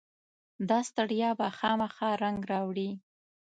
داستړیا به خامخا رنګ راوړي.